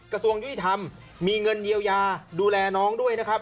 กระทรวงยุติธรรมมีเงินเยียวยาดูแลน้องด้วยนะครับ